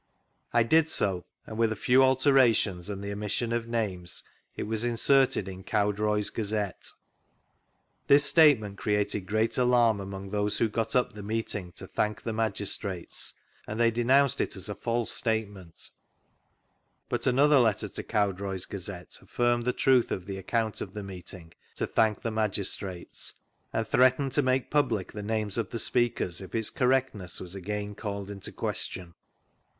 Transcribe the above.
I did so, and with a few alterations and the omission of names it was inserted in Cowdroy's Gazette. This statement created great alarm among those who got up the meeting to thank the magistrates, and they denounced it as a false statement, but another letter to Cowdroy's Gazette affirmed the truth <rf the account of the meeting to thank the magis trates, and threatened to make public tbe names of the speakers if its correctness was agaia called in question.